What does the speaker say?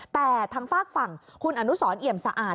แต่ทางฝากฝั่งคุณอนุสรเอี่ยมสะอาด